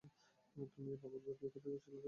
তুমি এই পাগলকে বিয়ে করতে যাচ্ছিলে, তাই না?